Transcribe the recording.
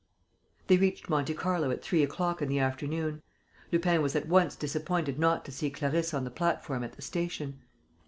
They reached Monte Carlo at three o'clock in the afternoon. Lupin was at once disappointed not to see Clarisse on the platform at the station.